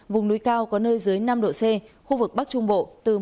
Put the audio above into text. vùng núi cao có nơi dưới năm độ c khu vực bắc trung bộ từ một mươi năm một mươi bảy độ c